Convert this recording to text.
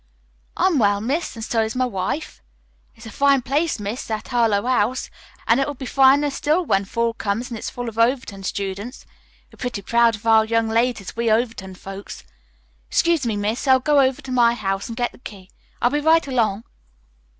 "I'm well, miss, and so's my wife. It's a fine place, miss, that Harlowe House, an' it'll be finer still when fall comes and it's full of Overton students. We're pretty proud of our young ladies, we Overton folks. Excuse me, miss, I'll go over to my house and get the key. I'll be right along."